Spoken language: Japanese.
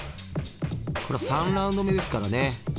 これ３ラウンド目ですからね。